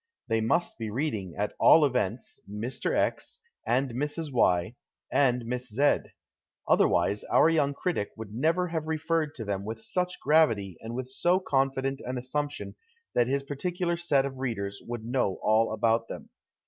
They nnist be reading, at all events, Mr. X., and Mrs, Y., and Miss Z. Otherwise, our young critic would never have referred to them with such gra\ity and with so confident an assumption that his i)artieular set of readers would know all about tlicin.